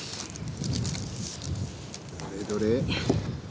どれどれ。